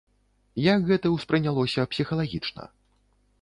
Як гэта ўспрынялося псіхалагічна?